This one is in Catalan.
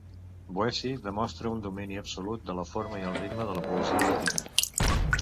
Boeci demostra un domini absolut de la forma i el ritme de la poesia llatina.